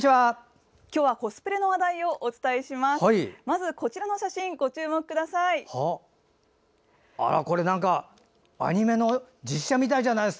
今日はコスプレの話題をお伝えします。